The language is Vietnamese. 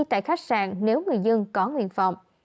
tại khách sạn nếu người dân có nguyện phòng